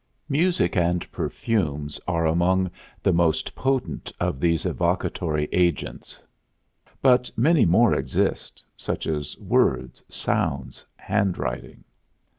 Music and perfumes are among the most potent of these evocatory agents; but many more exist, such as words, sounds, handwriting.